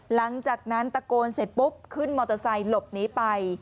หลังจากนั้นตะโกนเสร็จปุ๊บขึ้นมอเตอร์ไซค์หลบหนีไป